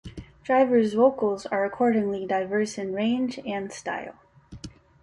Driver's vocals are accordingly diverse in range and style.